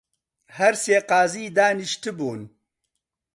هەر سێ قازی دانیشتبوون